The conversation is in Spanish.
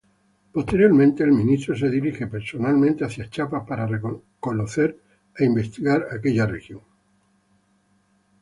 Posteriormente, el Ministro se dirige personalmente hacia Chiapas para conocer e investigar aquella región.